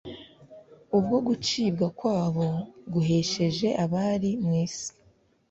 Ubwo gucibwa kwabo guhesheje abari mu isi